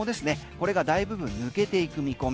これが大部分抜けていく見込み。